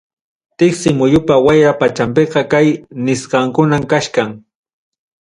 Tiksi muyupa wayra pachanpiqa kay gas nisqankunam kachkan.